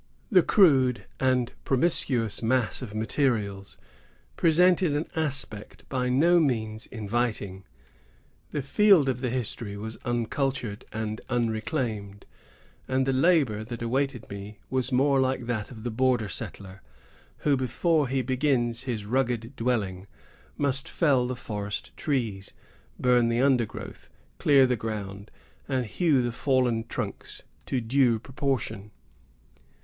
The crude and promiscuous mass of materials presented an aspect by no means inviting. The field of the history was uncultured and unreclaimed, and the labor that awaited me was like that of the border settler, who, before he builds his rugged dwelling, must fell the forest trees, burn the undergrowth, clear the ground, and hew the fallen trunks to due proportion.